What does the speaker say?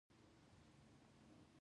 د عشق د ترخې تجربي له کبله